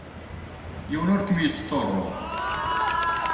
Yiwen ur kem-yettḍurru.